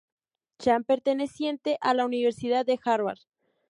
Chan perteneciente a la Universidad de Harvard.